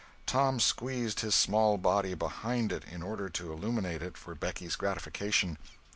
Tom squeezed his small body behind it in order to illuminate it for Becky's gratification.